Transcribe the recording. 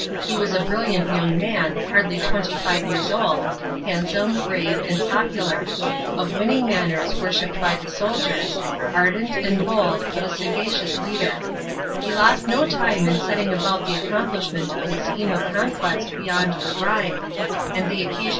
He was a brilliant yo mg man, hardly twen'y five years old, handsome, brave, and popular; of winning manners worshipped by the soldiers ; ardent and bold, but a sagacious leader. He lost no time in setting about the accomplishment of his scheme of conquest beyond the Rhine ; and the occasion was given * Horace alludes to this in his praise (Odes, iv.